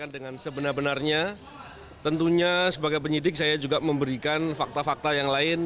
dengan sebenar benarnya tentunya sebagai penyidik saya juga memberikan fakta fakta yang lain